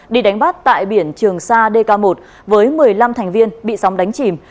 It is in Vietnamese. đi đánh bắt tại biển trường sa dk một với một mươi năm thành viên bị sóng đánh chìm